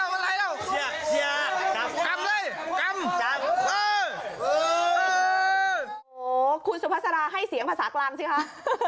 โอ้โหคุณสุภาษาราให้เสียงภาษากลางสิคะ